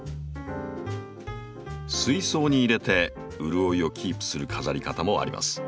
水槽に入れて潤いをキープする飾り方もあります。